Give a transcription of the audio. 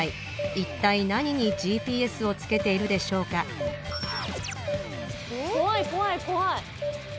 いったい何にＧＰＳをつけているでしょうか怖い怖い怖い。